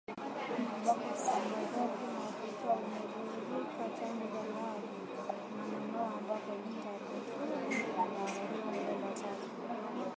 Ambako usambazaji mafuta umevurugika tangu Januari, kuna maeneo ambako lita ya petroli inagharimu dola tatu